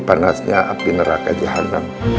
panasnya api neraka jahat